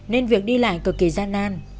nên việc đi lại cực kỳ gian nan